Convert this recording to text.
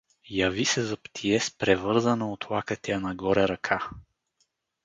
Яви се заптие с превързана от лакътя нагоре ръка.